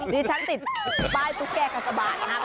นี่ฉันติดบ้ายตุ๊กแก่กับสบาย